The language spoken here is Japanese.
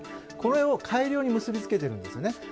これを改良に結び付けてるんですよね。